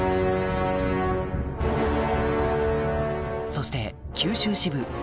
そして九州支部